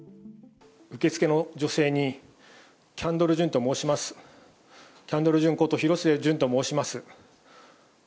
受付の女性に、キャンドル・ジュンと申します、キャンドル・ジュンこと廣末順と申します。